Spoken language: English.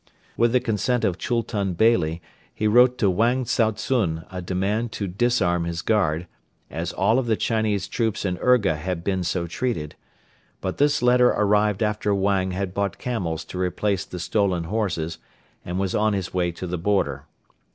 With the consent of Chultun Beyli he wrote to Wang Tsao tsun a demand to disarm his guard, as all of the Chinese troops in Urga had been so treated; but this letter arrived after Wang had bought camels to replace the stolen horses and was on his way to the border.